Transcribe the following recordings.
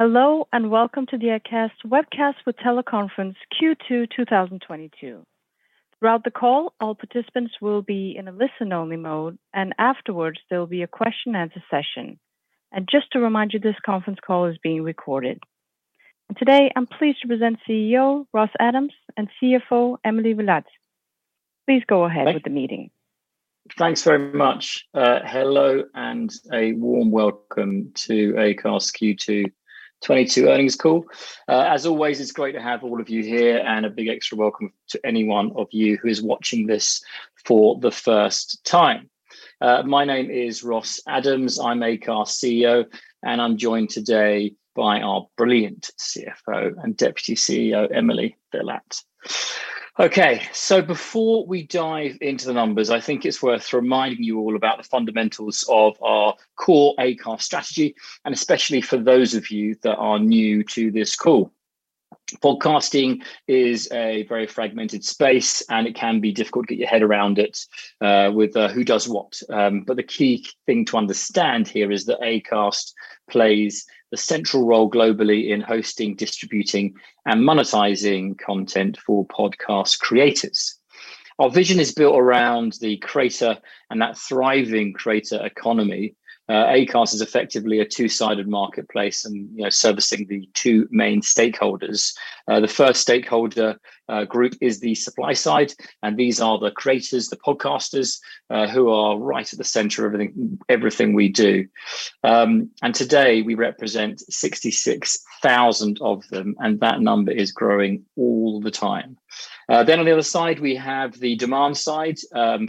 Hello and welcome to the Acast webcast with teleconference Q2 2022. Throughout the call, all participants will be in a listen-only mode, and afterwards there will be a question-and-answer session. Just to remind you, this conference call is being recorded. Today I'm pleased to present CEO Ross Adams and CFO Emily Villatte. Please go ahead with the meeting. Thanks very much. Hello and a warm welcome to Acast's Q2 22 earnings call. As always, it's great to have all of you here and a big extra welcome to any one of you who is watching this for the first time. My name is Ross Adams. I'm Acast CEO, and I'm joined today by our brilliant CFO and Deputy CEO, Emily Villatte. Okay, before we dive into the numbers, I think it's worth reminding you all about the fundamentals of our core Acast strategy, and especially for those of you that are new to this call. Podcasting is a very fragmented space, and it can be difficult to get your head around it, with who does what. The key thing to understand here is that Acast plays the central role globally in hosting, distributing, and monetizing content for podcast creators. Our vision is built around the creator and that thriving creator economy. Acast is effectively a two-sided marketplace and, you know, servicing the two main stakeholders. The first stakeholder group is the supply side, and these are the creators, the podcasters who are right at the center of everything we do. Today we represent 66,000 of them, and that number is growing all the time. On the other side, we have the demand side.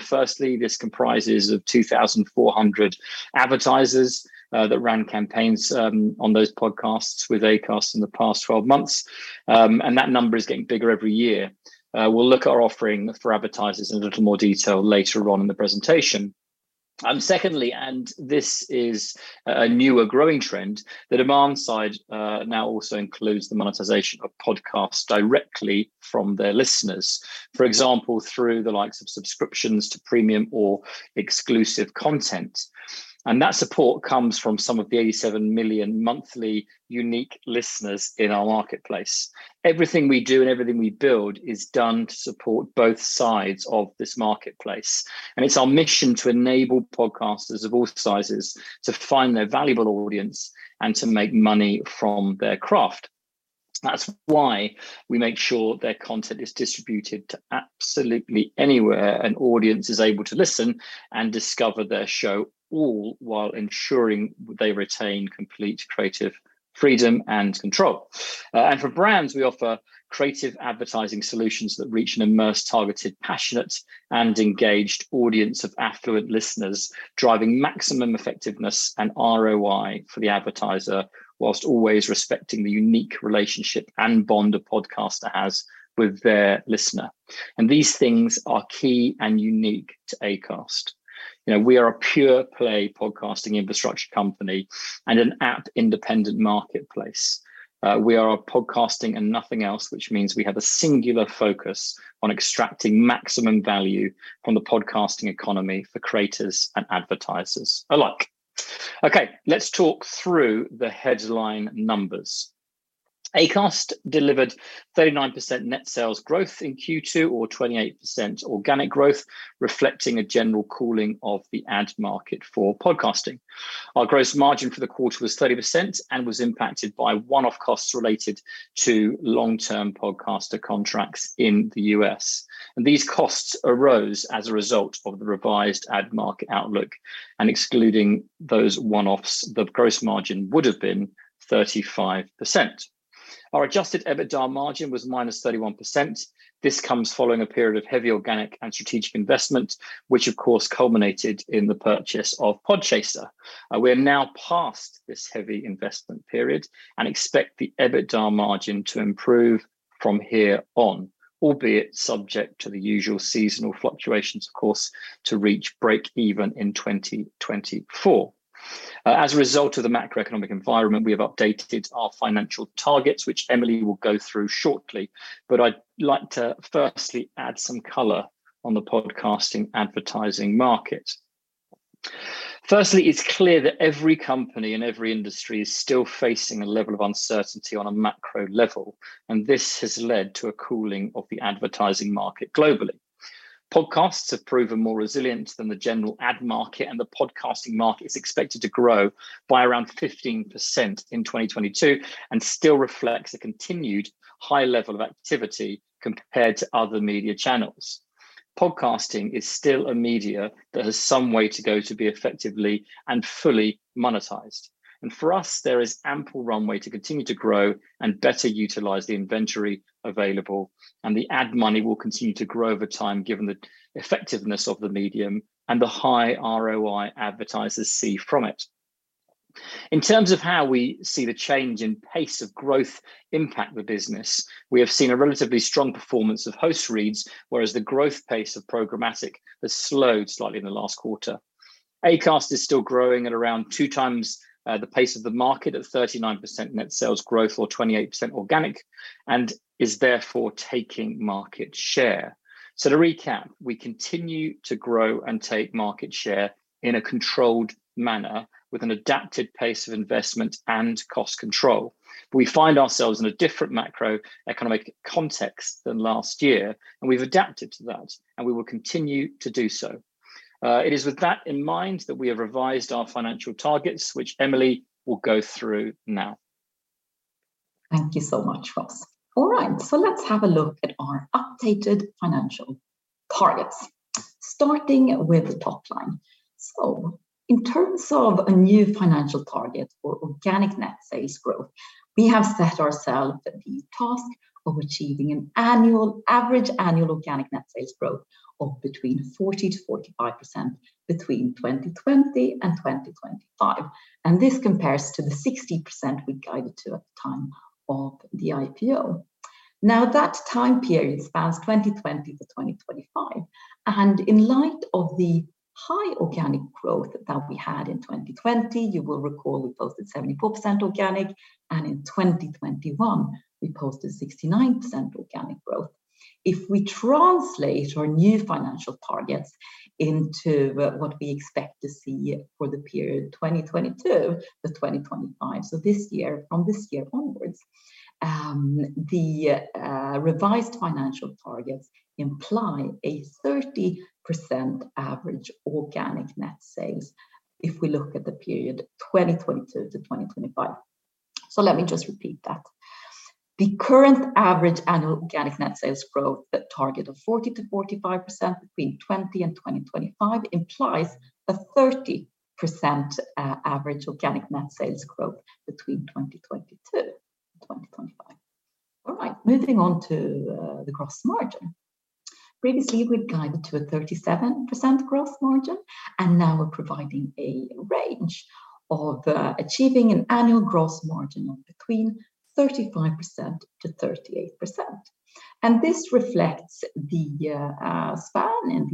Firstly, this comprises of 2,400 advertisers that ran campaigns on those podcasts with Acast in the past 12 months. That number is getting bigger every year. We'll look at our offering for advertisers in a little more detail later on in the presentation. Secondly, this is a newer growing trend. The demand side now also includes the monetization of podcasts directly from their listeners. For example, through the likes of subscriptions to premium or exclusive content. That support comes from some of the 87 million monthly unique listeners in our marketplace. Everything we do and everything we build is done to support both sides of this marketplace. It's our mission to enable podcasters of all sizes to find their valuable audience and to make money from their craft. That's why we make sure their content is distributed to absolutely anywhere an audience is able to listen and discover their show, all while ensuring they retain complete creative freedom and control. For brands, we offer creative advertising solutions that reach an immersed, targeted, passionate, and engaged audience of affluent listeners, driving maximum effectiveness and ROI for the advertiser while always respecting the unique relationship and bond a podcaster has with their listener. These things are key and unique to Acast. You know, we are a pure play podcasting infrastructure company and an app-independent marketplace. We are podcasting and nothing else, which means we have a singular focus on extracting maximum value from the podcasting economy for creators and advertisers alike. Okay, let's talk through the headline numbers. Acast delivered 39% net sales growth in Q2 or 28% organic growth, reflecting a general cooling of the ad market for podcasting. Our gross margin for the quarter was 30% and was impacted by one-off costs related to long-term podcaster contracts in the US. These costs arose as a result of the revised ad market outlook. Excluding those one-offs, the gross margin would have been 35%. Our adjusted EBITDA margin was -31%. This comes following a period of heavy organic and strategic investment, which of course culminated in the purchase of Podchaser. We are now past this heavy investment period and expect the EBITDA margin to improve from here on, albeit subject to the usual seasonal fluctuations, of course, to reach breakeven in 2024. As a result of the macroeconomic environment, we have updated our financial targets, which Emily will go through shortly. I'd like to firstly add some color on the podcasting advertising market. Firstly, it's clear that every company in every industry is still facing a level of uncertainty on a macro level, and this has led to a cooling of the advertising market globally. Podcasts have proven more resilient than the general ad market, and the podcasting market is expected to grow by around 15% in 2022 and still reflects a continued high level of activity compared to other media channels. Podcasting is still a media that has some way to go to be effectively and fully monetized. For us, there is ample runway to continue to grow and better utilize the inventory available, and the ad money will continue to grow over time given the effectiveness of the medium and the high ROI advertisers see from it. In terms of how we see the change in pace of growth impact the business, we have seen a relatively strong performance of host reads, whereas the growth pace of programmatic has slowed slightly in the last quarter. Acast is still growing at around two times the pace of the market at 39% net sales growth or 28% organic and is therefore taking market share. To recap, we continue to grow and take market share in a controlled manner with an adapted pace of investment and cost control. We find ourselves in a different macroeconomic context than last year, and we've adapted to that, and we will continue to do so. It is with that in mind that we have revised our financial targets, which Emily will go through now. Thank you so much, Ross. All right, so let's have a look at our updated financial targets, starting with the top line. In terms of a new financial target for organic net sales growth, we have set ourselves the task of achieving an average annual organic net sales growth of between 40 to 45% between 2020 and 2025, and this compares to the 60% we guided to at the time of the IPO. Now, that time period spans 2020 to 2025, and in light of the high organic growth that we had in 2020, you will recall we posted 74% organic, and in 2021 we posted 69% organic growth. If we translate our new financial targets into what we expect to see for the period 2022 to 2025, so this year, from this year onwards, the revised financial targets imply a 30% average organic net sales if we look at the period 2022 to 2025. Let me just repeat that. The current average annual organic net sales growth, that target of 40 to 45% between 2020 and 2025 implies a 30% average organic net sales growth between 2022 and 2025. All right, moving on to the gross margin. Previously, we guided to a 37% gross margin, and now we're providing a range of achieving an annual gross margin of between 35 to 38%, and this reflects the span in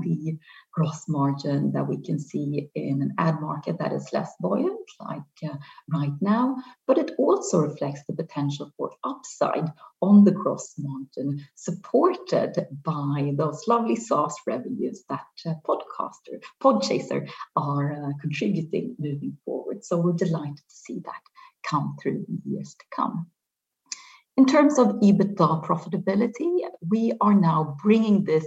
the gross margin that we can see in an ad market that is less buoyant like right now. It also reflects the potential for upside on the gross margin, supported by those lovely SaaS revenues that Podchaser are contributing moving forward. We're delighted to see that come through in years to come. In terms of EBITDA profitability, we are now bringing this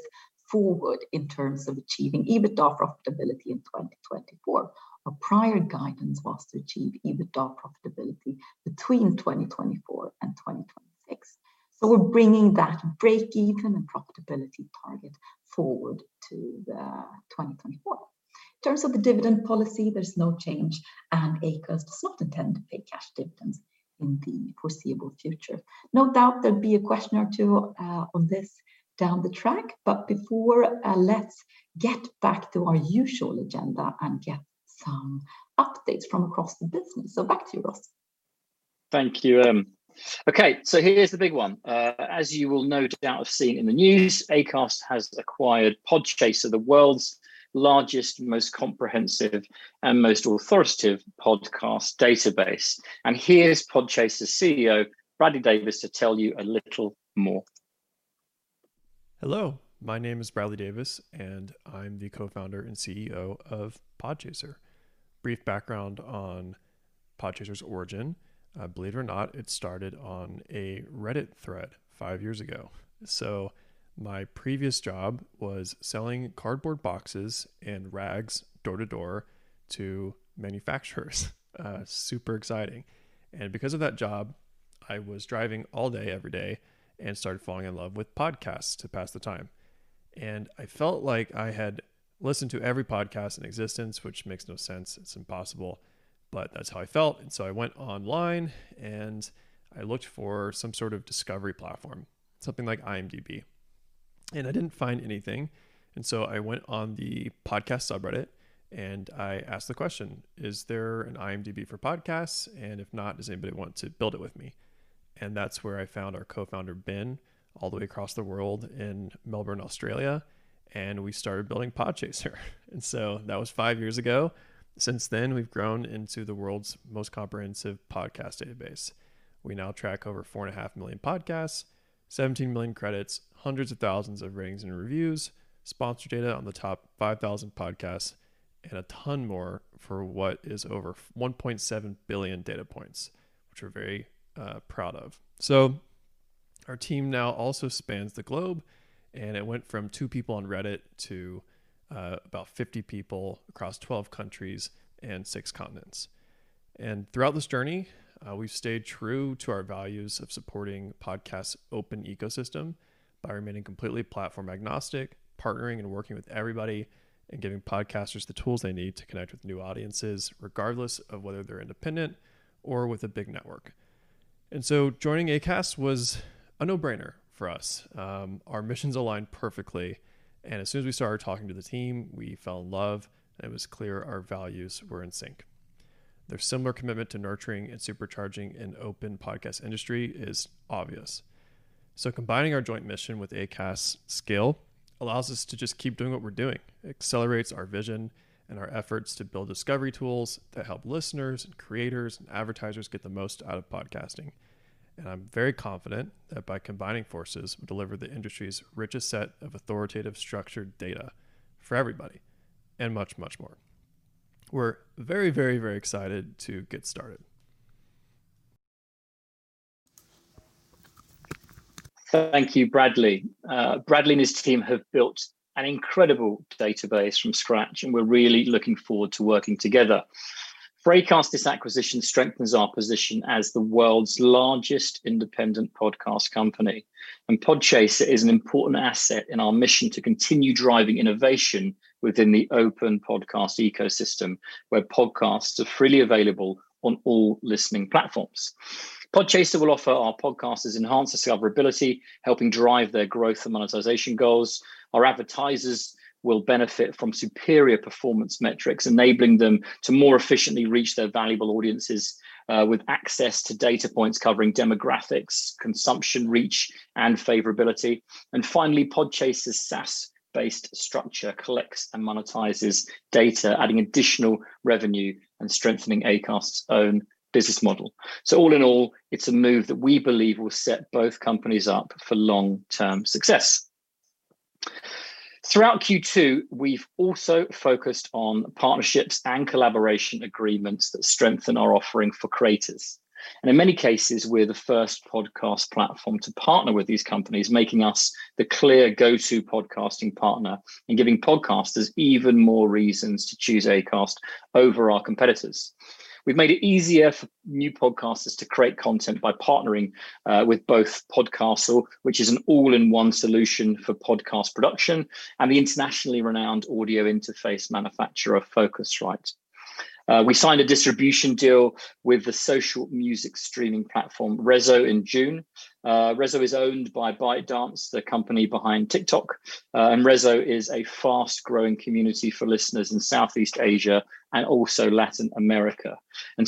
forward in terms of achieving EBITDA profitability in 2024. Our prior guidance was to achieve EBITDA profitability between 2024 and 2026. We're bringing that breakeven and profitability target forward to 2024. In terms of the dividend policy, there's no change, and Acast does not intend to pay cash dividends in the foreseeable future. No doubt there'll be a question or two on this down the track, but before let's get back to our usual agenda and get some updates from across the business. Back to you, Ross. Thank you. Okay, so here's the big one. As you will no doubt have seen in the news, Acast has acquired Podchaser, the world's largest, most comprehensive and most authoritative podcast database. Here's Podchaser CEO, Bradley Davis, to tell you a little more. Hello, my name is Bradley Davis, and I'm the co-founder and CEO of Podchaser. Brief background on Podchaser's origin. Believe it or not, it started on a Reddit thread five years ago. My previous job was selling cardboard boxes and rags door to door to manufacturers. Super exciting. Because of that job, I was driving all day, every day and started falling in love with podcasts to pass the time. I felt like I had listened to every podcast in existence, which makes no sense. It's impossible, but that's how I felt. I went online, and I looked for some sort of discovery platform, something like IMDb, and I didn't find anything. I went on the podcast subreddit, and I asked the question, "Is there an IMDb for podcasts? If not, does anybody want to build it with me?" That's where I found our co-founder, Ben, all the way across the world in Melbourne, Australia, and we started building Podchaser. That was 5 years ago. Since then, we've grown into the world's most comprehensive podcast database. We now track over 4.5 million podcasts, 17 million credits, hundreds of thousands of ratings and reviews, sponsor data on the top 5,000 podcasts, and a ton more for what is over 1.7 billion data points, which we're very proud of. Our team now also spans the globe, and it went from 2 people on Reddit to about 50 people across 12 countries and 6 continents. Throughout this journey, we've stayed true to our values of supporting podcasts' open ecosystem by remaining completely platform-agnostic, partnering and working with everybody, and giving podcasters the tools they need to connect with new audiences, regardless of whether they're independent or with a big network. Joining Acast was a no-brainer for us. Our missions aligned perfectly, and as soon as we started talking to the team, we fell in love, and it was clear our values were in sync. Their similar commitment to nurturing and supercharging an open podcast industry is obvious. Combining our joint mission with Acast's scale allows us to just keep doing what we're doing. It accelerates our vision and our efforts to build discovery tools that help listeners, and creators, and advertisers get the most out of podcasting. I'm very confident that by combining forces, we'll deliver the industry's richest set of authoritative structured data for everybody and much, much more. We're very excited to get started. Thank you, Bradley. Bradley and his team have built an incredible database from scratch, and we're really looking forward to working together. For Acast, this acquisition strengthens our position as the world's largest independent podcast company, and Podchaser is an important asset in our mission to continue driving innovation within the open podcast ecosystem, where podcasts are freely available on all listening platforms. Podchaser will offer our podcasters enhanced discoverability, helping drive their growth and monetization goals. Our advertisers will benefit from superior performance metrics, enabling them to more efficiently reach their valuable audiences, with access to data points covering demographics, consumption reach, and favorability. Finally, Podchaser's SaaS-based structure collects and monetizes data, adding additional revenue and strengthening Acast's own business model. All in all, it's a move that we believe will set both companies up for long-term success. Throughout Q2, we've also focused on partnerships and collaboration agreements that strengthen our offering for creators. In many cases, we're the first podcast platform to partner with these companies, making us the clear go-to podcasting partner and giving podcasters even more reasons to choose Acast over our competitors. We've made it easier for new podcasters to create content by partnering with both Podcastle, which is an all-in-one solution for podcast production, and the internationally renowned audio interface manufacturer Focusrite. We signed a distribution deal with the social music streaming platform Resso in June. Resso is owned by ByteDance, the company behind TikTok, and Resso is a fast-growing community for listeners in Southeast Asia and also Latin America.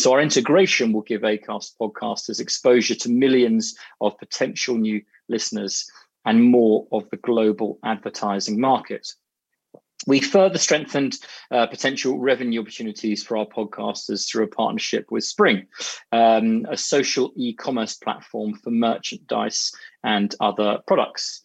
Our integration will give Acast podcasters exposure to millions of potential new listeners and more of the global advertising market. We further strengthened potential revenue opportunities for our podcasters through a partnership with Spring, a social e-commerce platform for merchandise and other products.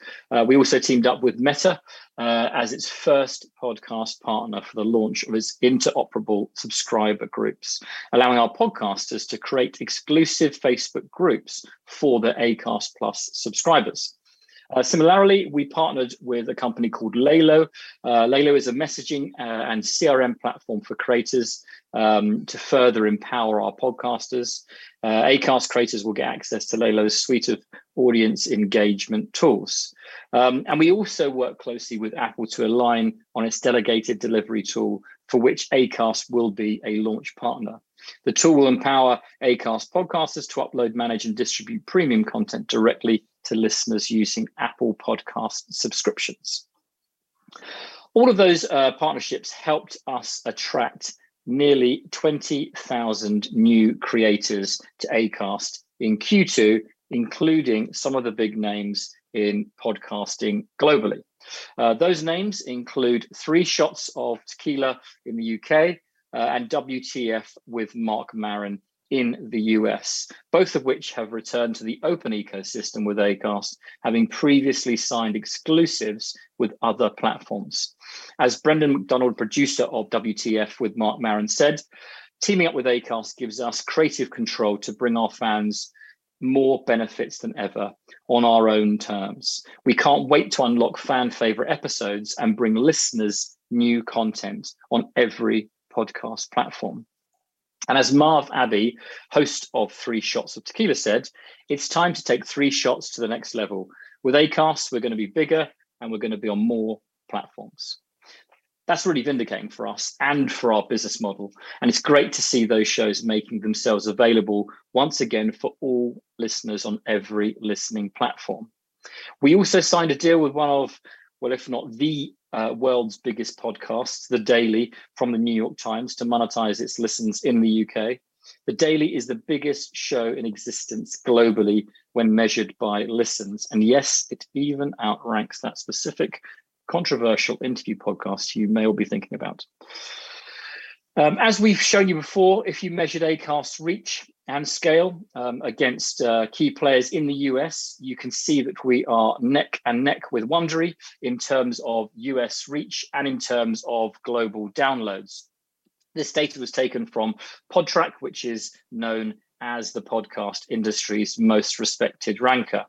We also teamed up with Meta as its first podcast partner for the launch of its interoperable subscriber groups, allowing our podcasters to create exclusive Facebook groups for their Acast+ subscribers. Similarly, we partnered with a company called Laylo. Laylo is a messaging and CRM platform for creators to further empower our podcasters. Acast creators will get access to Laylo's suite of audience engagement tools. We also work closely with Apple to align on its Delegated Delivery tool, for which Acast will be a launch partner. The tool will empower Acast podcasters to upload, manage, and distribute premium content directly to listeners using Apple Podcasts Subscriptions. All of those partnerships helped us attract nearly 20,000 new creators to Acast in Q2, including some of the big names in podcasting globally. Those names include Three Shots of Tequila in the UK, and WTF with Marc Maron in the US, both of which have returned to the open ecosystem with Acast, having previously signed exclusives with other platforms. As Brendan McDonald, Producer of WTF with Marc Maron, said, "Teaming up with Acast gives us creative control to bring our fans more benefits than ever on our own terms. We can't wait to unlock fan favorite episodes and bring listeners new content on every podcast platform." As Marvin Abbey, Host of Three Shots of Tequila, said, "It's time to take Three Shots to the next level. With Acast, we're gonna be bigger, and we're gonna be on more platforms." That's really vindicating for us and for our business model, and it's great to see those shows making themselves available once again for all listeners on every listening platform. We also signed a deal with one of, well, if not the, world's biggest podcasts, The Daily from The New York Times, to monetize its listens in the UK. The Daily is the biggest show in existence globally when measured by listens, and yes, it even outranks that specific controversial interview podcast you may all be thinking about. As we've shown you before, if you measured Acast's reach and scale against key players in the US, you can see that we are neck and neck with Wondery in terms of US reach and in terms of global downloads. This data was taken from Podtrac, which is known as the podcast industry's most respected ranker.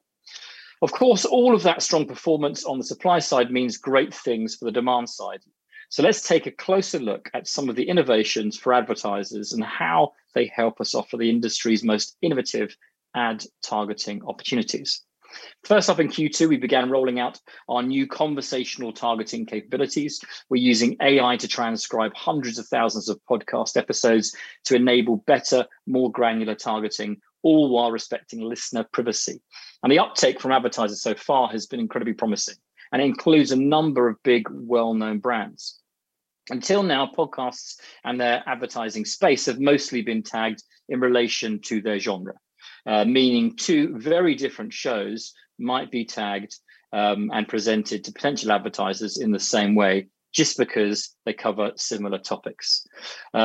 Of course, all of that strong performance on the supply side means great things for the demand side. Let's take a closer look at some of the innovations for advertisers and how they help us offer the industry's most innovative ad targeting opportunities. First up in Q2, we began rolling out our new conversational targeting capabilities. We're using AI to transcribe hundreds of thousands of podcast episodes to enable better, more granular targeting, all while respecting listener privacy. The uptake from advertisers so far has been incredibly promising and includes a number of big well-known brands. Until now, podcasts and their advertising space have mostly been tagged in relation to their genre, meaning two very different shows might be tagged and presented to potential advertisers in the same way just because they cover similar topics.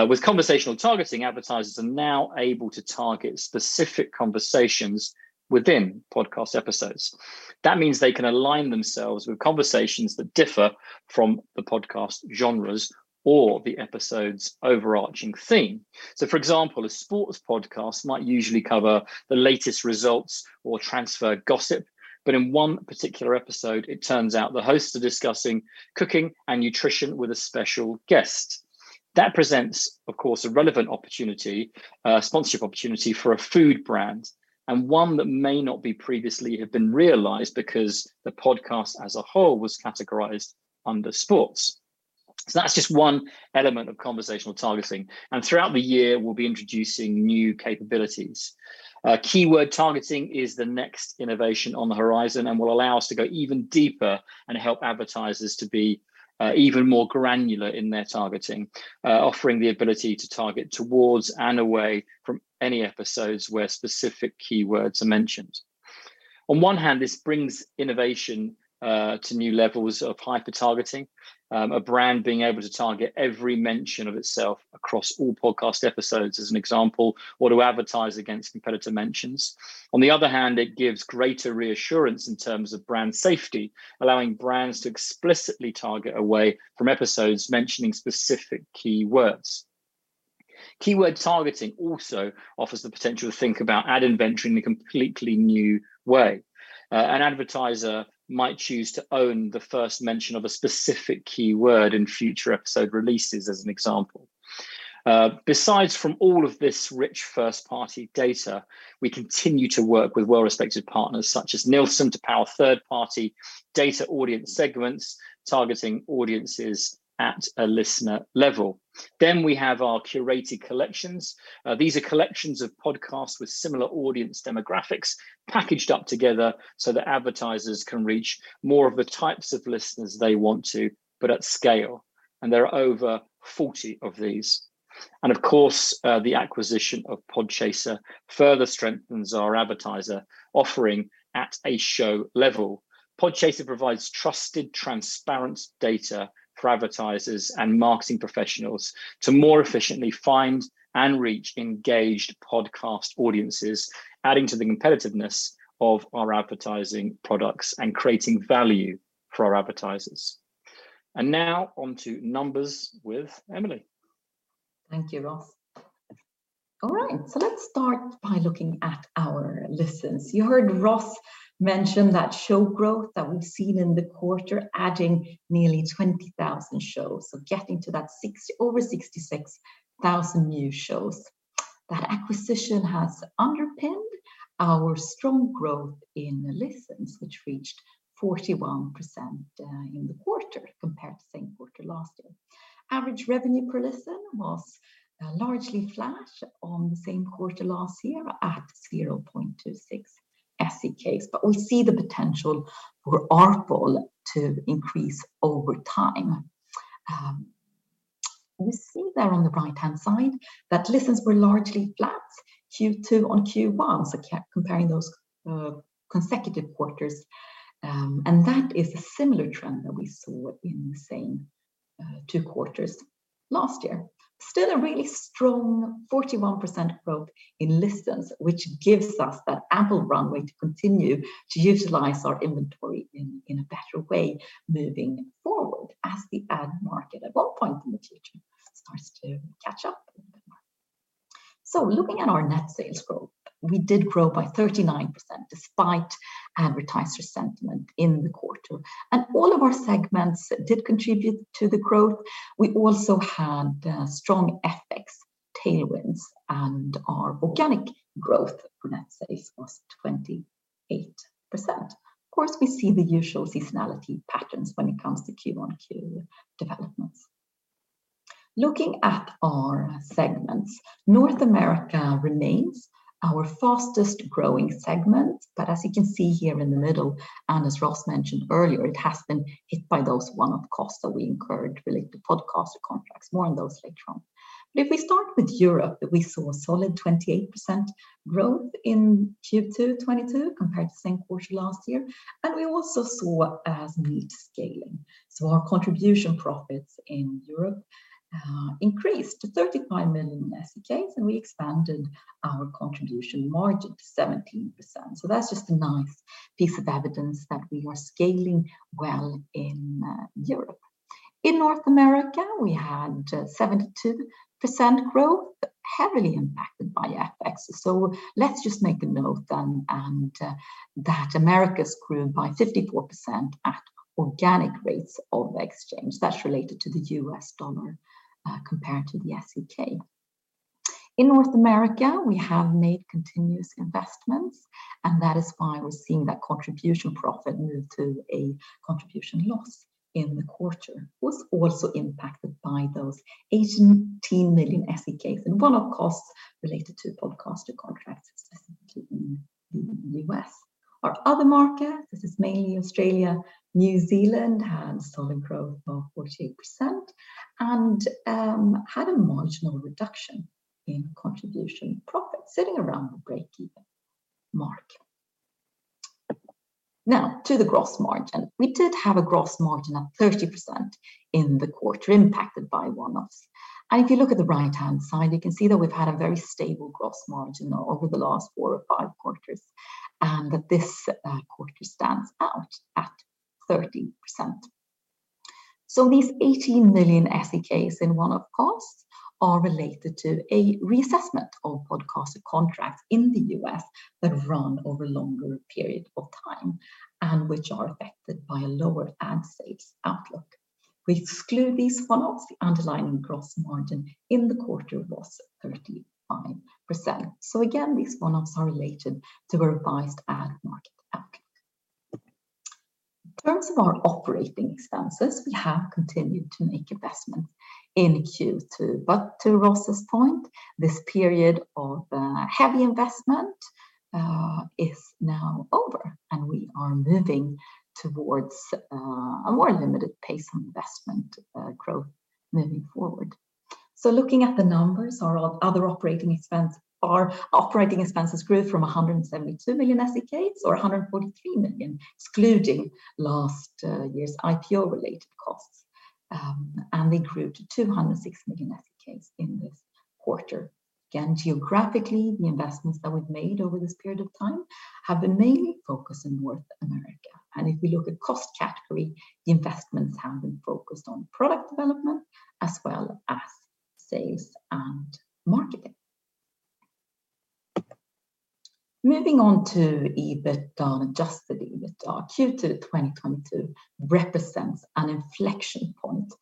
With Conversational Targeting, advertisers are now able to target specific conversations within podcast episodes. That means they can align themselves with conversations that differ from the podcast genres or the episode's overarching theme. For example, a sports podcast might usually cover the latest results or transfer gossip, but in one particular episode, it turns out the hosts are discussing cooking and nutrition with a special guest. That presents, of course, a relevant opportunity, sponsorship opportunity for a food brand, and one that may not have previously been realized because the podcast as a whole was categorized under sports. That's just one element of Conversational Targeting, and throughout the year we'll be introducing new capabilities. Keyword Targeting is the next innovation on the horizon and will allow us to go even deeper and help advertisers to be even more granular in their targeting, offering the ability to target towards and away from any episodes where specific keywords are mentioned. On one hand, this brings innovation to new levels of hyper targeting, a brand being able to target every mention of itself across all podcast episodes as an example, or to advertise against competitor mentions. On the other hand, it gives greater reassurance in terms of brand safety, allowing brands to explicitly target away from episodes mentioning specific keywords. Keyword Targeting also offers the potential to think about ad inventory in a completely new way. An advertiser might choose to own the first mention of a specific keyword in future episode releases as an example. Besides from all of this rich first-party data, we continue to work with well-respected partners such as Nielsen to power third-party data audience segments, targeting audiences at a listener level. We have our curated collections. These are collections of podcasts with similar audience demographics packaged up together so that advertisers can reach more of the types of listeners they want to, but at scale, and there are over 40 of these. Of course, the acquisition of Podchaser further strengthens our advertiser offering at a show level. Podchaser provides trusted, transparent data for advertisers and marketing professionals to more efficiently find and reach engaged podcast audiences, adding to the competitiveness of our advertising products and creating value for our advertisers. Now on to numbers with Emily. Thank you, Ross. All right, let's start by looking at our listens. You heard Ross mention that show growth that we've seen in the quarter, adding nearly 20,000 shows. Getting to that over 66,000 new shows. That acquisition has underpinned our strong growth in the listens, which reached 41% in the quarter compared to same quarter last year. Average revenue per listen was largely flat on the same quarter last year at 0.26 SEK, but we see the potential for ARPU to increase over time. We see there on the right-hand side that listens were largely flat, Q2 on Q1, comparing those consecutive quarters, and that is a similar trend that we saw in the same two quarters last year. Still a really strong 41% growth in listens, which gives us that ample runway to continue to utilize our inventory in a better way moving forward as the ad market at one point in the future starts to catch up a little bit more. Looking at our net sales growth, we did grow by 39% despite advertiser sentiment in the quarter. All of our segments did contribute to the growth. We also had strong FX tailwinds and our organic growth for net sales was 28%. Of course, we see the usual seasonality patterns when it comes to quarter-over-quarter developments. Looking at our segments, North America remains our fastest growing segment. As you can see here in the middle, and as Ross mentioned earlier, it has been hit by those one-off costs that we incurred related to podcast contracts. More on those later on. If we start with Europe, we saw a solid 28% growth in Q2 2022 compared to same quarter last year. We also saw a neat scaling. Our contribution profits in Europe increased to 35 million SEK, and we expanded our contribution margin to 17%. That's just a nice piece of evidence that we are scaling well in Europe. In North America, we had 72% growth, heavily impacted by FX. Let's just make a note then and that Americas grown by 54% at organic rates of exchange. That's related to the US dollar compared to the SEK. In North America, we have made continuous investments, and that is why we're seeing that contribution profit move to a contribution loss in the quarter. Was also impacted by those 18 million SEK in one-off costs related to podcaster contracts, specifically in the U.S. Our other markets, this is mainly Australia, New Zealand, had solid growth of 48% and had a marginal reduction in contribution profit, sitting around the breakeven mark. Now to the gross margin. We did have a gross margin of 30% in the quarter impacted by one-offs. If you look at the right-hand side, you can see that we've had a very stable gross margin over the last 4 or 5 quarters, and that this quarter stands out at 30%. These 18 million SEK in one-off costs are related to a reassessment of podcaster contracts in the U.S. that run over longer period of time, and which are affected by a lower ad sales outlook. We exclude these one-offs, the underlying gross margin in the quarter was 35%. These one-offs are related to a revised ad market outlook. In terms of our operating expenses, we have continued to make investments in Q2. To Ross's point, this period of heavy investment is now over, and we are moving towards a more limited pace of investment growth moving forward. Looking at the numbers, our operating expenses grew from 172 million SEK, or 143 million excluding last year's IPO-related costs, and they grew to 206 million in this quarter. Geographically, the investments that we've made over this period of time have been mainly focused in North America. If we look at cost category, the investments have been focused on product development as well as sales and marketing. Moving on to EBITDA and adjusted EBITDA. Q2 2022 represents an inflection point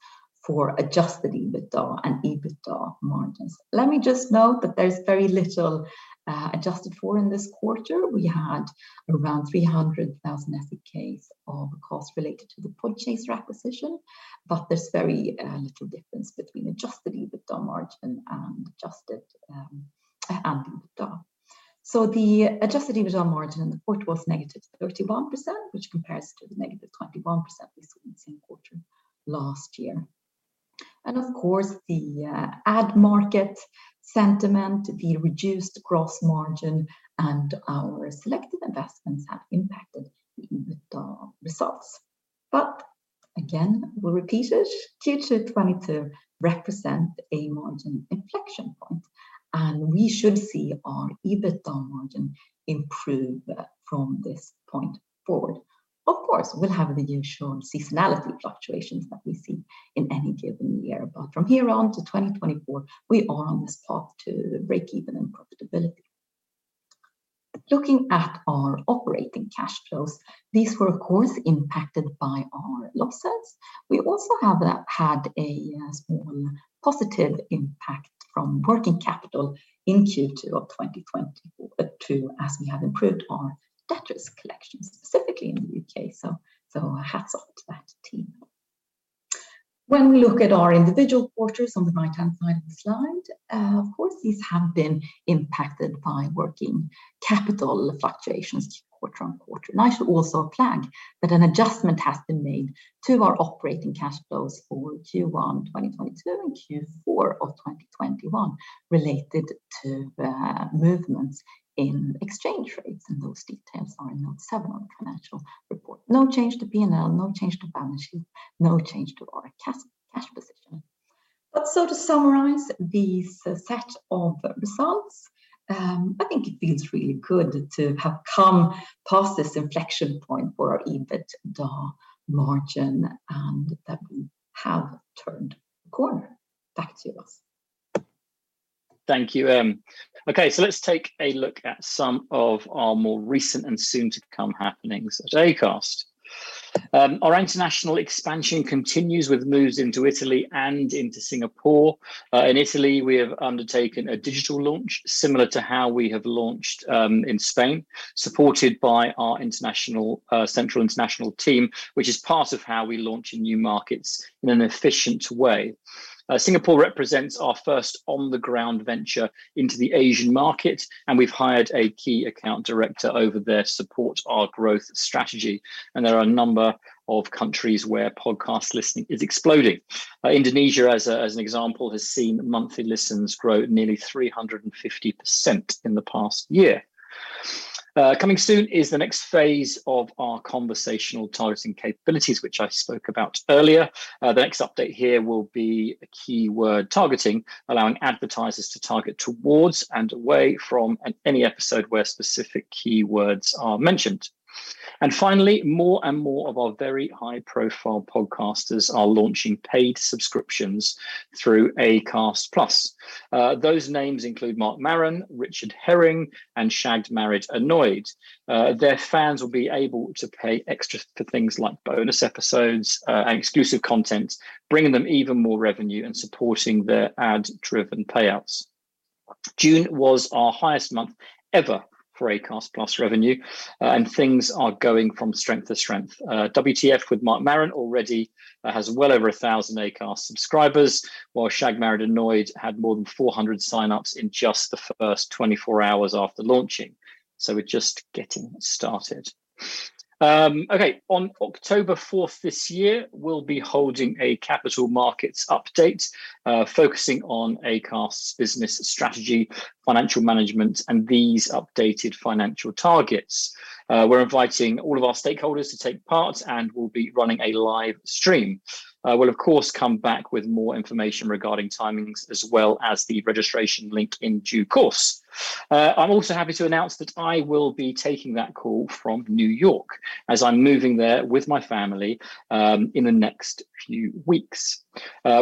for adjusted EBITDA and EBITDA margins. Let me just note that there's very little adjusted for in this quarter. We had around 300,000 SEK of costs related to the Podchaser acquisition, but there's very little difference between adjusted EBITDA margin and adjusted and EBITDA. The adjusted EBITDA margin in the quarter was negative 31%, which compares to the negative 21% we saw in the same quarter last year. Of course, the ad market sentiment, the reduced gross margin, and our selective investments have impacted the EBITDA results. Again, we repeat it, Q2 2022 represents a margin inflection point, and we should see our EBITDA margin improve from this point forward. Of course, we'll have the usual seasonality fluctuations that we see in any given year. From here on to 2024, we are on this path to breakeven and profitability. Looking at our operating cash flows, these were of course impacted by our losses. We also have had a small positive impact from working capital in Q2 of 2022, as we have improved our debtors collection, specifically in the UK. Hats off to that team. When we look at our individual quarters on the right-hand side of the slide, of course, these have been impacted by working capital fluctuations quarter-over-quarter. I should also flag that an adjustment has been made to our operating cash flows for Q1 2022 and Q4 of 2021 related to movements in exchange rates, and those details are in note 7 on financial report. No change to P&L, no change to balance sheet, no change to our cash position. To summarize this set of results, I think it feels really good to have come past this inflection point for our EBITDA margin and that we have turned the corner. Back to you, Ross. Thank you, Em. Okay, so let's take a look at some of our more recent and soon-to-come happenings at Acast. Our international expansion continues with moves into Italy and into Singapore. In Italy, we have undertaken a digital launch similar to how we have launched in Spain, supported by our central international team, which is part of how we launch in new markets in an efficient way. Singapore represents our first on-the-ground venture into the Asian market, and we've hired a key account director over there to support our growth strategy. There are a number of countries where podcast listening is exploding. Indonesia, as an example, has seen monthly listens grow nearly 350% in the past year. Coming soon is the next phase of our Conversational Targeting capabilities, which I spoke about earlier. The next update here will be keyword targeting, allowing advertisers to target towards and away from any episode where specific keywords are mentioned. Finally, more and more of our very high-profile podcasters are launching paid subscriptions through Acast+. Those names include Marc Maron, Richard Herring, and Shagged, Married, Annoyed. Their fans will be able to pay extra for things like bonus episodes and exclusive content, bringing them even more revenue and supporting their ad-driven payouts. June was our highest month ever for Acast+ revenue, and things are going from strength to strength. WTF with Marc Maron already has well over 1,000 Acast+ subscribers, while Shagged, Married, Annoyed had more than 400 signups in just the first 24 hours after launching. We're just getting started. Okay. On October 4 this year, we'll be holding a capital markets update, focusing on Acast's business strategy, financial management, and these updated financial targets. We're inviting all of our stakeholders to take part, and we'll be running a live stream. We'll of course come back with more information regarding timings as well as the registration link in due course. I'm also happy to announce that I will be taking that call from New York as I'm moving there with my family in the next few weeks.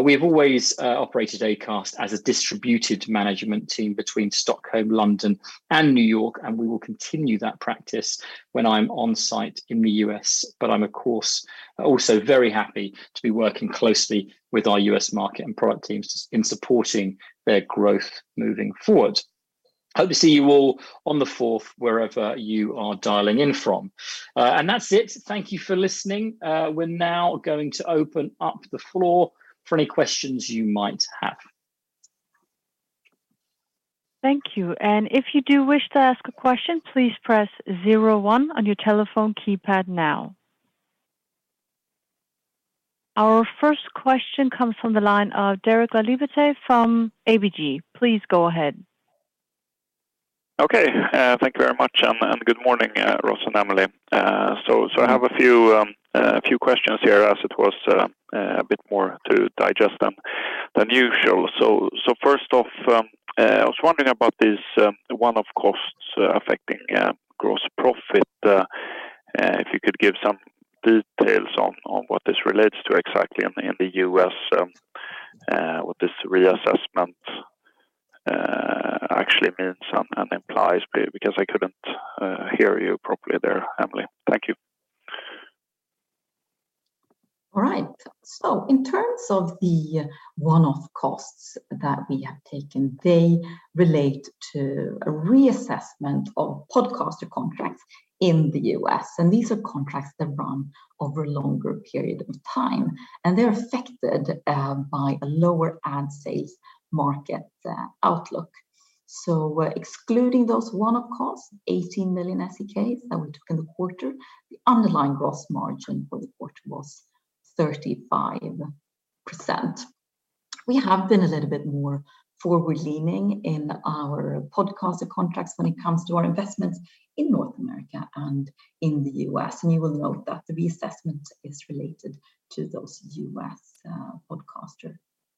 We have always operated Acast as a distributed management team between Stockholm, London, and New York, and we will continue that practice when I'm on site in the US. I'm of course also very happy to be working closely with our US market and product teams in supporting their growth moving forward. Hope to see you all on the fourth wherever you are dialing in from. That's it. Thank you for listening. We're now going to open up the floor for any questions you might have. Thank you, and if you do wish to ask a question, please press zero one on your telephone keypad now. Our first question comes from the line of Derek Laliberte from ABG. Please go ahead. Okay. Thank you, very much and good morning, Ross and Emily. I have a few questions here as it was a bit more to digest than usual. First off, I was wondering about these one-off costs affecting gross profit. If you could give some details on what this relates to exactly in the U.S., what this reassessment actually means and implies because I couldn't hear you properly there, Emily. Thank you. All right. In terms of the one-off costs that we have taken, they relate to a reassessment of podcaster contracts in the U.S., and these are contracts that run over a longer period of time, and they're affected by a lower ad sales market outlook. Excluding those one-off costs, 18 million SEK that we took in the quarter, the underlying gross margin for the quarter was 35%. We have been a little bit more forward-leaning in our podcaster contracts when it comes to our investments in North America and in the U.S., and you will note that the reassessment is related to those U.S. podcaster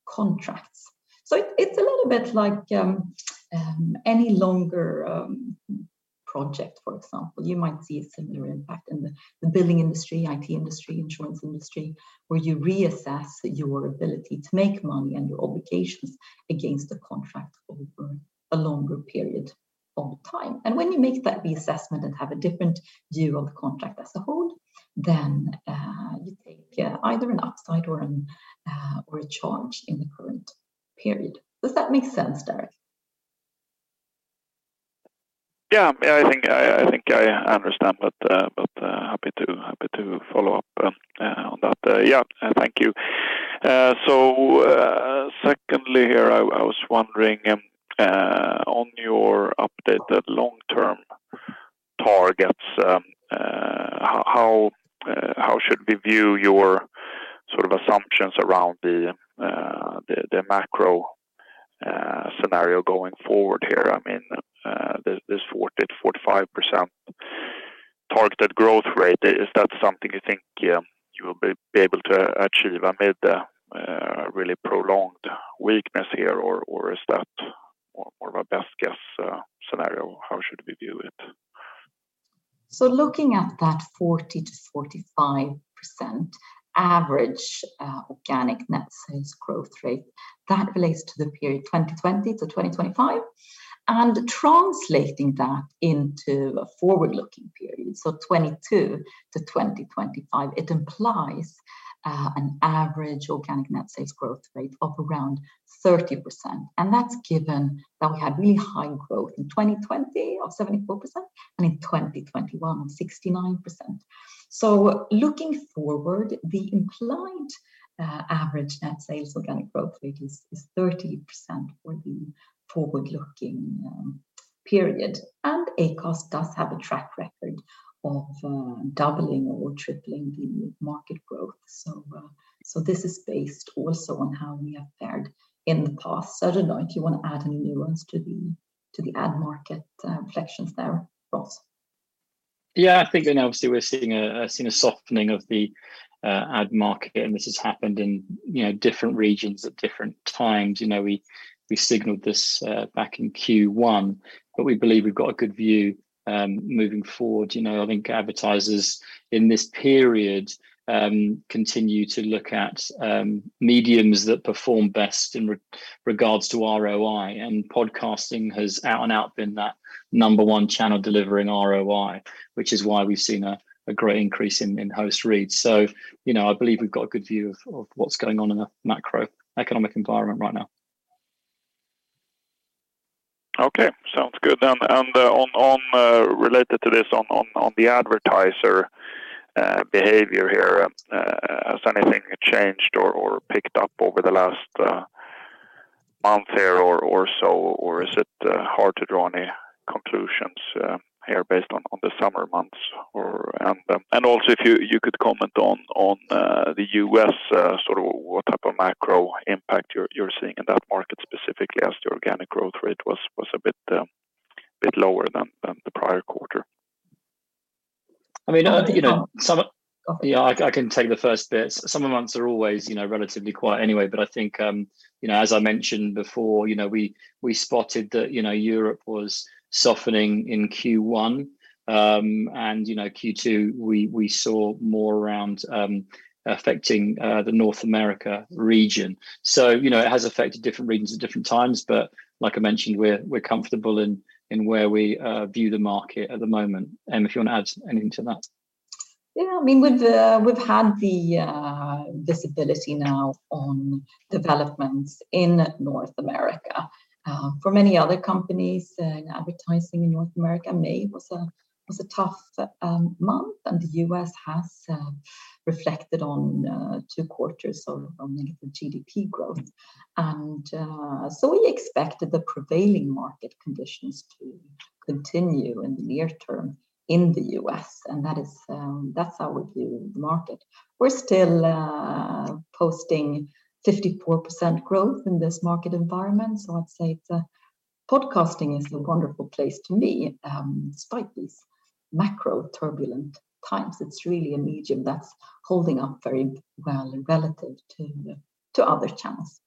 contracts. It's a little bit like any longer project, for example. You might see a similar impact in the building industry, IT industry, insurance industry, where you reassess your ability to make money and your obligations against a contract over a longer period of time. When you make that reassessment and have a different view of the contract as a whole, then you take either an upside or a charge in the current period. Does that make sense, Derek? Yeah. Yeah, I think I understand, but happy to follow up on that. Yeah, thank you. So, secondly here, I was wondering on your updated long-term targets, how should we view your sort of assumptions around the macro scenario going forward here? I mean, this 40 to 45% targeted growth rate, is that something you think you will be able to achieve amid a really prolonged weakness here, or is that more of a best guess scenario? How should we view it? Looking at that 40 to 45% average organic net sales growth rate, that relates to the period 2020 to 2025. Translating that into a forward-looking period, 22 to 2025, it implies an average organic net sales growth rate of around 30%, and that's given that we had really high growth in 2020 of 74% and in 2021 of 69%. Looking forward, the implied average net sales organic growth rate is 30% for the forward-looking period, and Acast does have a track record of doubling or tripling the market growth. This is based also on how we have fared in the past. I don't know if you wanna add any nuance to the ad market reflections there, Ross. Yeah. I think, you know, obviously we're seeing a softening of the ad market, and this has happened in, you know, different regions at different times. You know, we signaled this back in Q1, but we believe we've got a good view moving forward. You know, I think advertisers in this period continue to look at mediums that perform best in regard to ROI, and podcasting has out and out been that number one channel delivering ROI, which is why we've seen a great increase in host-read ads. I believe we've got a good view of what's going on in the macroeconomic environment right now. Okay. Sounds good. On related to this, on the advertiser behavior here, has anything changed or picked up over the last month here or so? Or is it hard to draw any conclusions here based on the summer months? Also, if you could comment on the U.S. sort of what type of macro impact you're seeing in that market specifically as the organic growth rate was a bit lower than the prior quarter. I mean, you know, yeah, I can take the first bit. Summer months are always, you know, relatively quiet anyway. I think, you know, as I mentioned before, you know, we spotted that, you know, Europe was softening in Q1. You know, Q2, we saw more around affecting the North America region. It has affected different regions at different times. Like I mentioned, we're comfortable in where we view the market at the moment. Em, if you wanna add anything to that. Yeah. I mean, we've had the visibility now on developments in North America. For many other companies in advertising in North America, May was a tough month, and the US has reflected on two quarters of the GDP growth. We expect that the prevailing market conditions to continue in the near term in the US, and that is how we view the market. We're still posting 54% growth in this market environment, so I'd say the podcasting is a wonderful place to be despite these macro turbulent times. It's really a medium that's holding up very well and relative to other channels.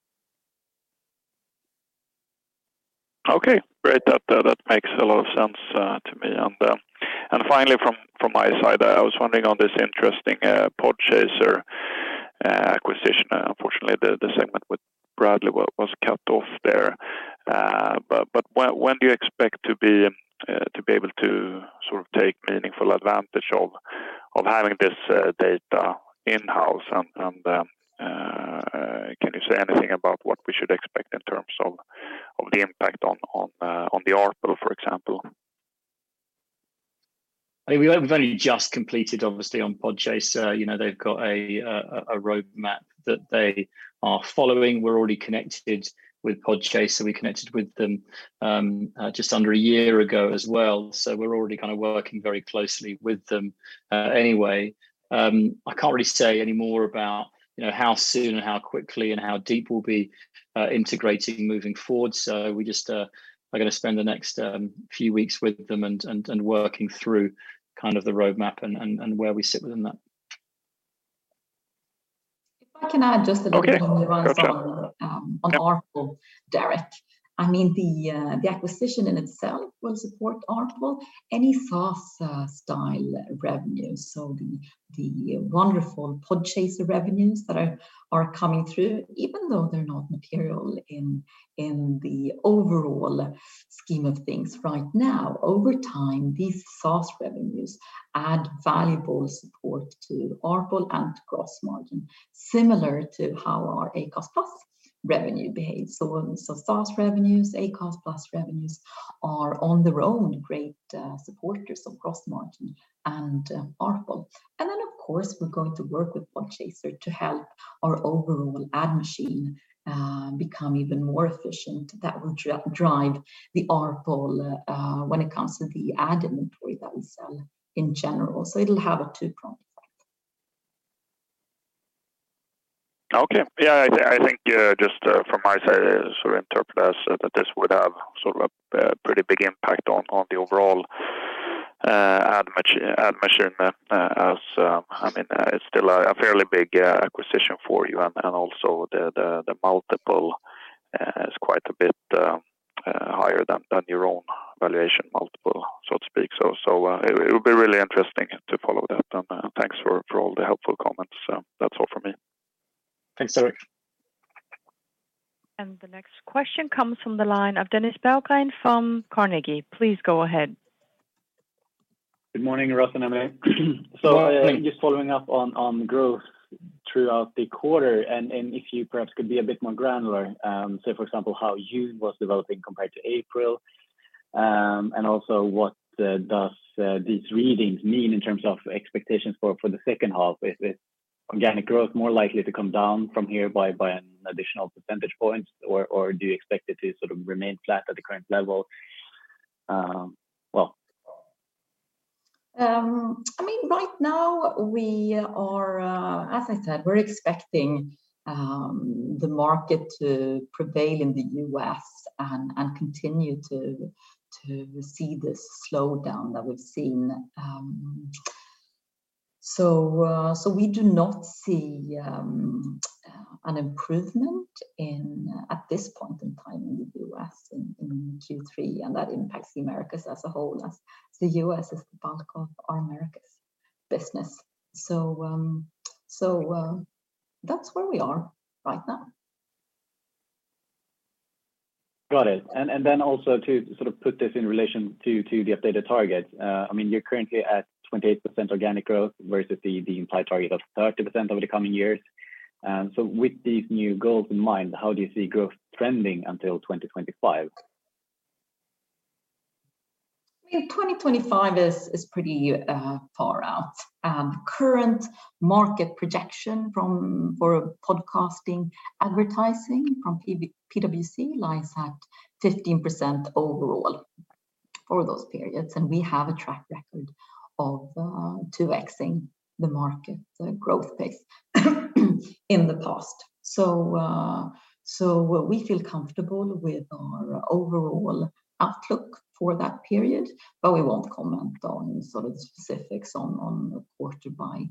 Okay. Great. That makes a lot of sense to me. Finally, from my side, I was wondering on this interesting Podchaser acquisition. Unfortunately, the segment with Bradley was cut off there. When do you expect to be able to sort of take meaningful advantage of having this data in-house? Can you say anything about what we should expect in terms of the impact on the ARPU, for example? I mean, we've only just completed obviously on Podchaser. You know, they've got a roadmap that they are following. We're already connected with Podchaser. We connected with them just under a year ago as well. We're already kind a working very closely with them anyway. I can't really say any more about, you know, how soon and how quickly and how deep we'll be integrating moving forward. We just are gonna spend the next few weeks with them and working through kind of the roadmap and where we sit within that. If I can add just a bit. Okay. On the runs on ARPU, Derek. I mean, the acquisition in itself will support ARPU. Any SaaS style revenue, so the wonderful Podchaser revenues that are coming through, even though they're not material in the overall scheme of things right now, over time, these SaaS revenues add valuable support to ARPU and gross margin, similar to how our Acast+ revenue behaves. So SaaS revenues, Acast+ revenues are on their own great supporters of gross margin and ARPU. Then of course, we're going to work with Podchaser to help our overall ad machine become even more efficient. That will drive the ARPU when it comes to the ad inventory that we sell in general. It'll have a two-pronged effect. Okay. Yeah. I think just from my side sort of interpret as that this would have sort of a pretty big impact on the overall ad machine as I mean it's still a fairly big acquisition for you. Also, the multiple is quite a bit higher than your own valuation multiple so to speak. It would be really interesting to follow that. Thanks for all the helpful comments. So that's all from me. Thanks, Derek. The next question comes from the line of Dennis Berggren from Carnegie. Please go ahead. Good morning, Ross and Emily. Good morning. Just following up on growth throughout the quarter, and if you perhaps could be a bit more granular, say for example, how June was developing compared to April. Also what does these readings mean in terms of expectations for the H2? Is the organic growth more likely to come down from here by an additional percentage point or do you expect it to sort of remain flat at the current level? Well. I mean, right now we are, as I said, we're expecting the market to prevail in the U.S. and continue to see this slowdown that we've seen. We do not see an improvement, at this point in time, in the U.S. in Q3, and that impacts the Americas as a whole, as the U.S. is the bulk of our Americas business. That's where we are right now. Got it. Then also to sort of put this in relation to the updated target, I mean, you're currently at 28% organic growth versus the implied target of 30% over the coming years. With these new goals in mind, how do you see growth trending until 2025? Well, 2025 is pretty far out. Current market projection from PwC for podcasting advertising lies at 15% overall for those periods, and we have a track record of 2x-ing the market, the growth pace in the past. We feel comfortable with our overall outlook for that period, but we won't comment on sort of the specifics on a quarter by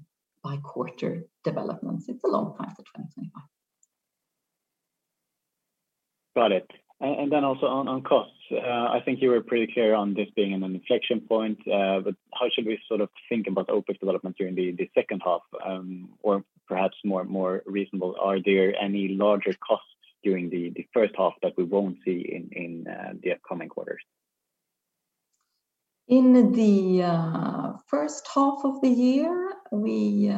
quarter developments. It's a long time to 2025. Got it. Then also on costs, I think you were pretty clear on this being an inflection point. How should we sort of think about OPEX development during the H2? Perhaps more reasonable, are there any larger costs during the H1 that we won't see in the upcoming quarters? In the H1 of the year, we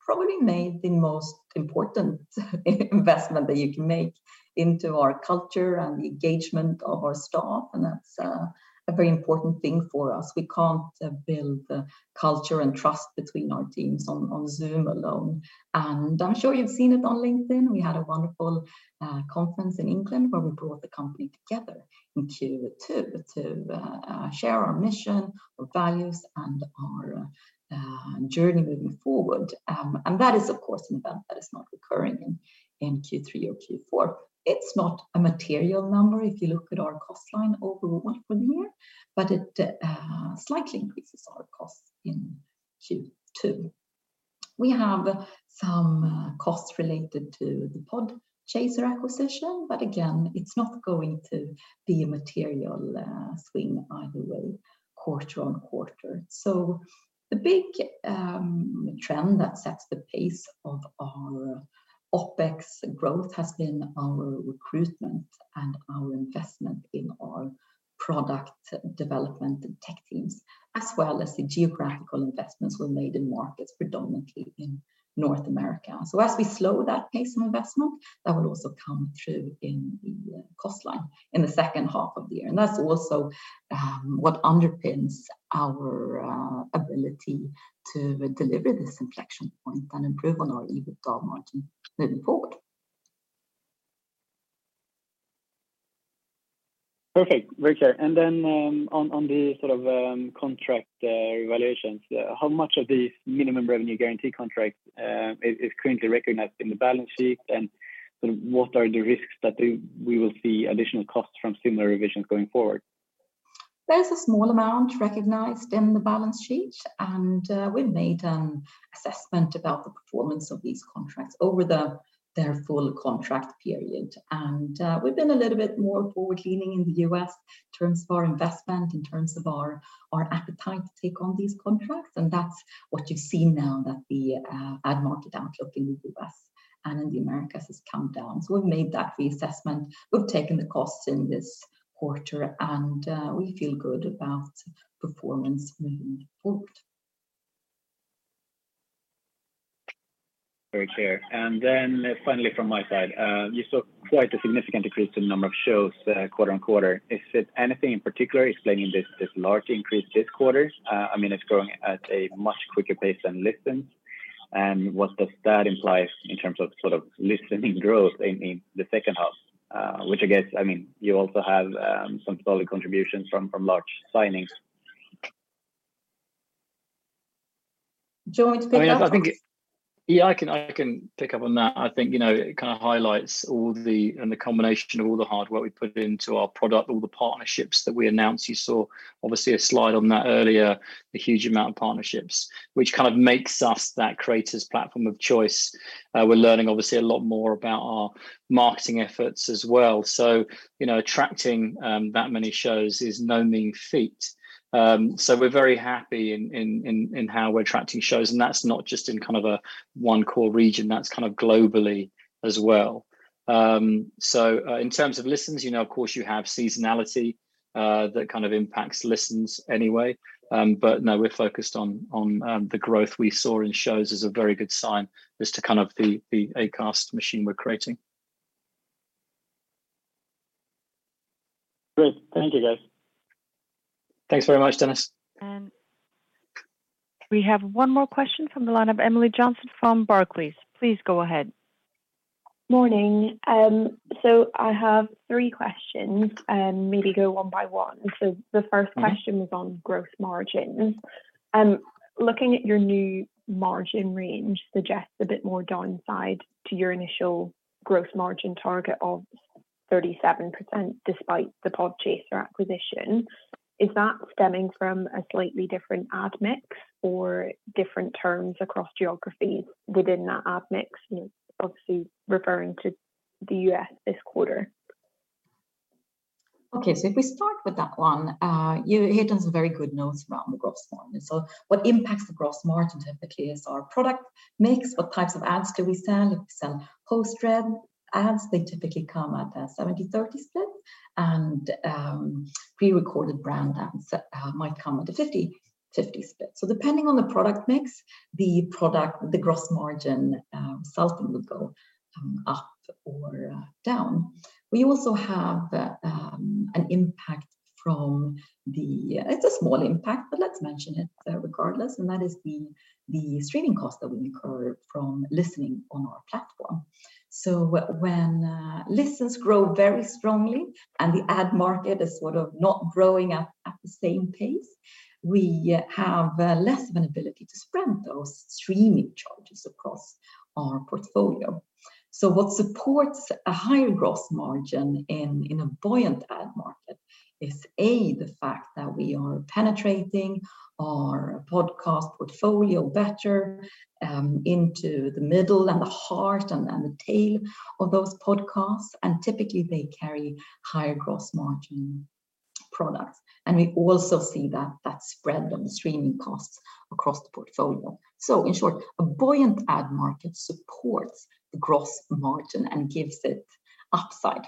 probably made the most important investment that you can make into our culture and the engagement of our staff, and that's a very important thing for us. We can't build the culture and trust between our teams on Zoom alone. I'm sure you've seen it on LinkedIn. We had a wonderful conference in England where we brought the company together in Q2 to share our mission, our values, and our journey moving forward. That is of course an event that is not recurring in Q3 or Q4. It's not a material number if you look at our cost line overall for the year, but it slightly increases our costs in Q2. We have some costs related to the Podchaser acquisition, but again, it's not going to be a material swing either way quarter on quarter. The big trend that sets the pace of our OPEX growth has been our recruitment and our investment in our product development and tech teams, as well as the geographical investments were made in markets predominantly in North America. As we slow that pace of investment, that will also come through in the cost line in the H2 of the year. That's also what underpins our ability to deliver this inflection point and improve on our EBITDA margin moving forward. Perfect. Very clear. On the sort of contract evaluations, how much of the minimum revenue guarantee contract is currently recognized in the balance sheet? Sort of what are the risks that we will see additional costs from similar revisions going forward? There's a small amount recognized in the balance sheet, and we've made an assessment about the performance of these contracts over their full contract period. We've been a little bit more forward-leaning in the U.S. in terms of our investment, in terms of our appetite to take on these contracts. That's what you've seen now that the ad market outlook in the U.S. and in the Americas has come down. We've made that reassessment. We've taken the costs in this quarter, and we feel good about performance moving forward. Very clear. Then finally from my side, you saw quite a significant increase in the number of shows, quarter-over-quarter. Is it anything in particular explaining this large increase this quarter? I mean, it's growing at a much quicker pace than listens. What does that imply in terms of sort of listening growth in the H2? Which I guess, I mean, you also have some solid contributions from large signings. Do you want to pick up on? I mean, I think. Yeah, I can pick up on that. I think, you know, it kind of highlights the combination of all the hard work we've put into our product, all the partnerships that we announced. You saw obviously a slide on that earlier, the huge amount of partnerships, which kind of makes us that creator's platform of choice. We're learning obviously a lot more about our marketing efforts as well. You know, attracting that many shows is no mean feat. We're very happy in how we're attracting shows, and that's not just in kind of a one core region, that's kind of globally as well. In terms of listens, you know, of course you have seasonality that kind of impacts listens anyway. No, we're focused on the growth we saw in shows is a very good sign as to kind of the Acast machine we're creating. Great. Thank you, guys. Thanks very much, Dennis. We have one more question from the line of Emily Johnson from Barclays. Please go ahead. Morning. I have three questions. Maybe go one by one. The first question was on gross margins. Looking at your new margin range suggests a bit more downside to your initial gross margin target of 37% despite the Podchaser acquisition. Is that stemming from a slightly different ad mix or different terms across geographies within that ad mix? You know, obviously referring to the U.S. this quarter. Okay. If we start with that one, Hiten's very good notes around the gross margin. What impacts the gross margin typically is our product mix. What types of ads do we sell? If we sell host-read ads, they typically come at a 70/30 split. Pre-recorded brand ads might come at a 50/50 split. Depending on the product mix, the gross margin seldom would go up or down. We also have an impact. It's a small impact, but let's mention it, regardless, and that is the streaming cost that we incur from listening on our platform. When listens grow very strongly and the ad market is sort of not growing at the same pace, we have less of an ability to spread those streaming charges across our portfolio. What supports a higher gross margin in a buoyant ad market is A, the fact that we are penetrating our podcast portfolio better into the middle and the heart and the tail of those podcasts, and typically they carry higher gross margin products. We also see that spread on the streaming costs across the portfolio. In short, a buoyant ad market supports the gross margin and gives it upside.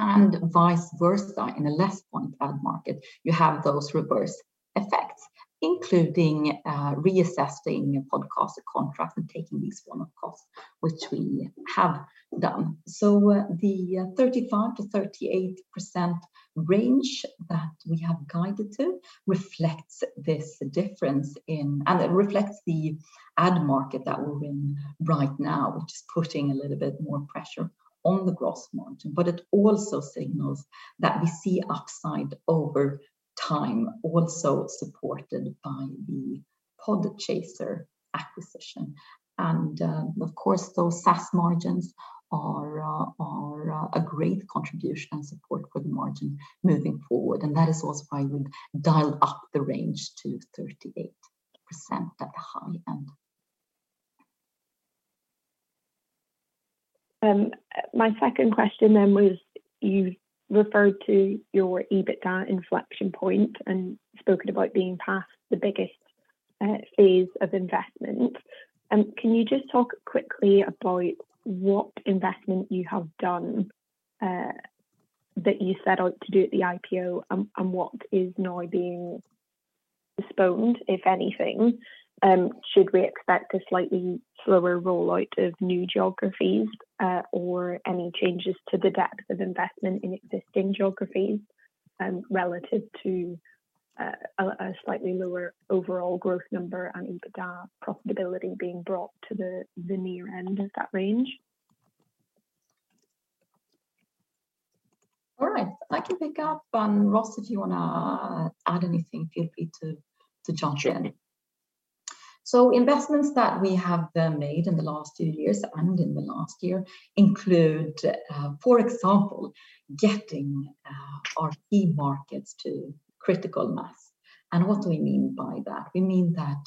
Vice versa in a less buoyant ad market, you have those reverse effects, including reassessing podcast contracts and taking these one-off costs, which we have done. The 35 to 38% range that we have guided to reflects this difference and it reflects the ad market that we're in right now, which is putting a little bit more pressure on the gross margin. It also signals that we see upside over time, also supported by the Podchaser acquisition. Of course, those SaaS margins are a great contribution and support for the margin moving forward, and that is also why we dial up the range to 38% at the high end. My second question was you referred to your EBITDA inflection point and spoken about being past the biggest phase of investment. Can you just talk quickly about what investment you have done that you set out to do at the IPO and what is now being postponed, if anything? Should we expect a slightly slower rollout of new geographies or any changes to the depth of investment in existing geographies relative to a slightly lower overall growth number and EBITDA profitability being brought to the near end of that range? All right. I can pick up, and Ross, if you wanna add anything, feel free to jump in. Sure. Investments that we have made in the last 2 years and in the last year include, for example, getting our key markets to critical mass. What do we mean by that? We mean that,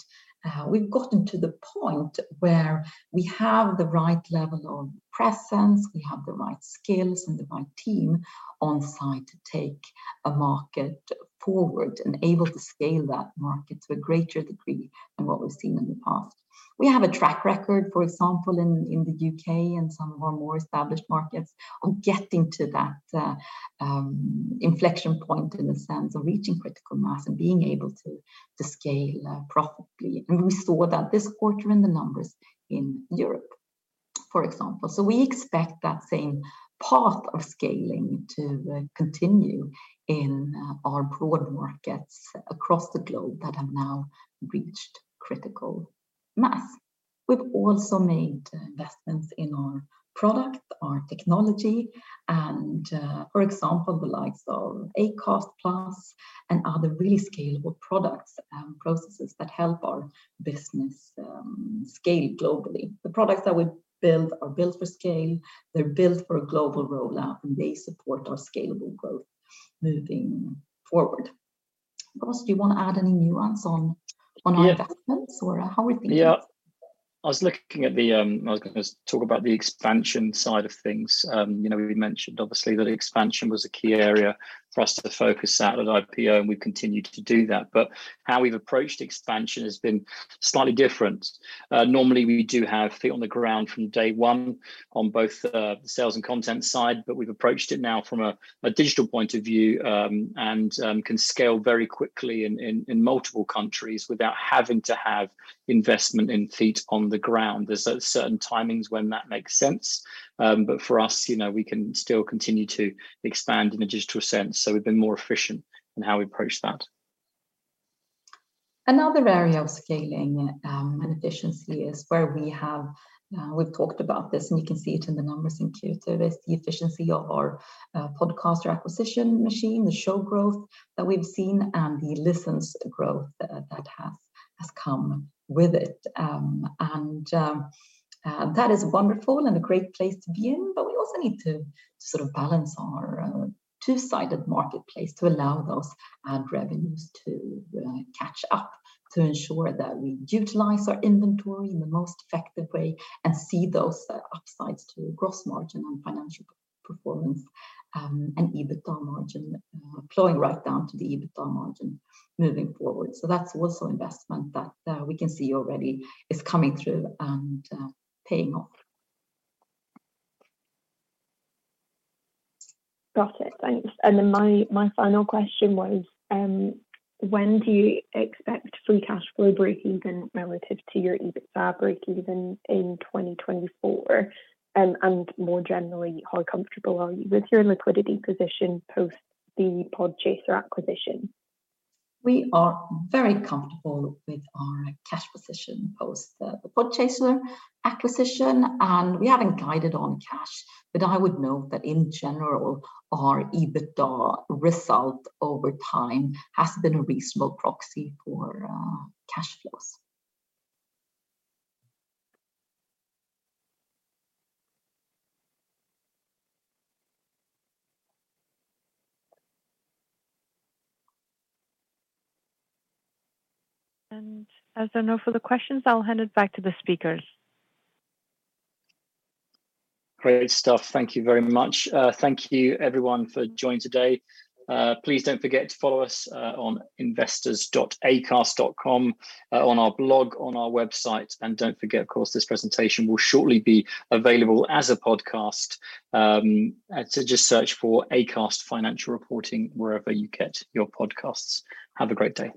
we've gotten to the point where we have the right level of presence, we have the right skills and the right team on site to take a market forward and able to scale that market to a greater degree than what we've seen in the past. We have a track record, for example, in the UK and some of our more established markets of getting to that inflection point in the sense of reaching critical mass and being able to scale profitably. We saw that this quarter in the numbers in Europe, for example. We expect that same path of scaling to continue in our broad markets across the globe that have now reached critical mass. We've also made investments in our product, our technology, and for example, the likes of Acast Plus and other really scalable products and processes that help our business scale globally. The products that we build are built for scale, they're built for a global rollout, and they support our scalable growth moving forward. Ross, do you wanna add any nuance on our investments or how we're thinking? Yeah. I was gonna talk about the expansion side of things. You know, we mentioned obviously that expansion was a key area for us to focus at IPO, and we've continued to do that. How we've approached expansion has been slightly different. Normally we do have feet on the ground from day one on both the sales and content side, but we've approached it now from a digital point of view and can scale very quickly in multiple countries without having to have investment in feet on the ground. There's certain timings when that makes sense, but for us, you know, we can still continue to expand in a digital sense. We've been more efficient in how we approach that. Another area of scaling and efficiency is where we've talked about this, and you can see it in the numbers in Q2, is the efficiency of our podcaster acquisition machine, the show growth that we've seen, and the listens growth that has come with it. That is wonderful and a great place to be in, but we also need to sort of balance our two-sided marketplace to allow those ad revenues to catch up to ensure that we utilize our inventory in the most effective way and see those upsides to gross margin and financial performance, and EBITDA margin flowing right down to the EBITDA margin moving forward. That's also investment that we can see already is coming through and paying off. Got it. Thanks. My final question was, when do you expect free cash flow breakeven relative to your EBITDA breakeven in 2024? More generally, how comfortable are you with your liquidity position post the Podchaser acquisition? We are very comfortable with our cash position post the Podchaser acquisition. We haven't guided on cash, but I would note that in general, our EBITDA result over time has been a reasonable proxy for cash flows. As there are no further questions, I'll hand it back to the speakers. Great stuff. Thank you very much. Thank you everyone for joining today. Please don't forget to follow us on investors.acast.com, on our blog, on our website. Don't forget, of course, this presentation will shortly be available as a podcast, so just search for Acast Financial Reporting wherever you get your podcasts. Have a great day.